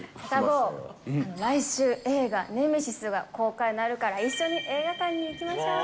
サタボー、来週、映画ネメシスが公開になるから、一緒に映画館に行きましょう。